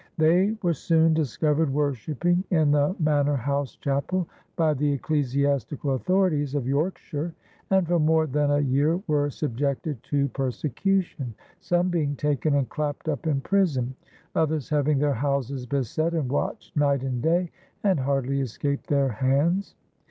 They were soon discovered worshiping in the manor house chapel, by the ecclesiastical authorities of Yorkshire, and for more than a year were subjected to persecution, some being "taken and clapt up in prison," others having "their houses besett and watcht night and day and hardly escaped their hands."